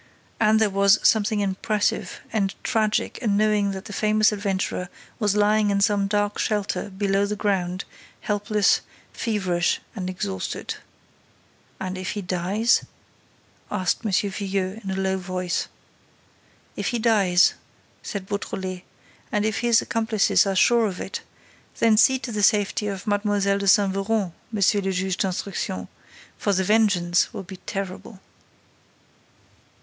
And there was something impressive and tragic in knowing that the famous adventurer was lying in some dark shelter, below the ground, helpless, feverish and exhausted. "And if he dies?" asked M. Filleul, in a low voice. "If he dies," said Beautrelet, "and if his accomplices are sure of it, then see to the safety of Mlle. de Saint Véran. Monsieur le Juge d'Instruction, for the vengeance will be terrible."